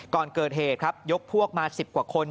ก่อนเกิดเหตุครับยกพวกมา๑๐กว่าคน